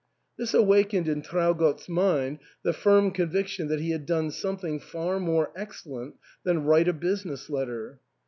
This awakened in Traugott's mind the firm conviction that he had done something far more excellent than write a business letter.